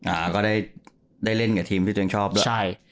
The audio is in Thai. อ่าก็ได้ได้เล่นกับทีมที่ตัวเองชอบด้วยใช่